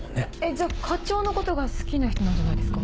じゃあ課長のことが好きな人なんじゃないですか？